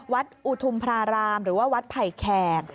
วัดอุทุมพรารามหรือว่าวัดไผ่แขก